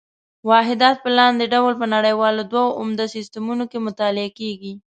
واحدات په لاندې ډول په نړیوالو دوو عمده سیسټمونو کې مطالعه کېږي.